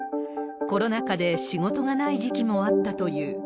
コロナ禍で仕事がない時期もあったという。